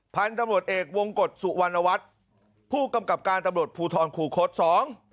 พันธุ์ตำรวจเอกวงกฎสุวรรณวัฒน์ผู้กำกับการตำรวจภูทรคูคศสอง